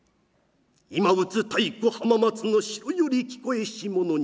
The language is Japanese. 今打つ太鼓浜松の城より聞こえしものに相違なし。